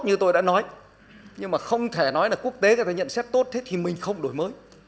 nhưng mà không thể nói là quốc tế có thể nhận xét tốt thế thì mình không đổi mới